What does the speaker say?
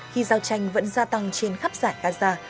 khi giao tranh vẫn gia tăng trên khắp giải gaza